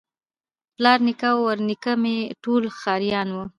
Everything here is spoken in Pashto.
پلار نیکه او ورنیکه مي ټول ښکاریان وه